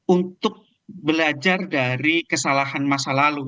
untuk belajar dari kesalahan masa lalu